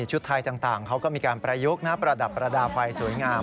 ชุดไทยต่างเขาก็มีการประยุกต์ประดับประดาษไฟสวยงาม